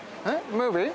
ムービー？